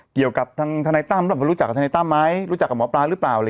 เกี่ยวกับทางทนายตั้มหรือเปล่ารู้จักกับทนายตั้มไหมรู้จักกับหมอปลาหรือเปล่า